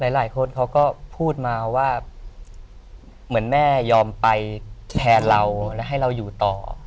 หลายคนเขาก็พูดมาว่าเหมือนแม่ยอมไปแทนเราและให้เราอยู่ต่อ